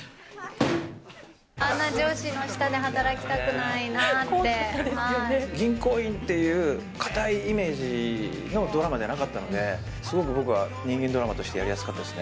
あんな上司の下で働きたくな銀行員っていう、堅いイメージのドラマじゃなかったので、すごく僕は人間ドラマとしてやりやすかったですね。